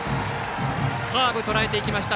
カーブをとらえていきました。